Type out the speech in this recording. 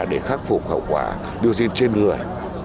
để khắc phục khẩu quả dioxin trên người